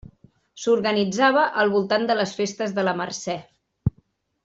S'organitzava al voltant de les festes de la Mercè.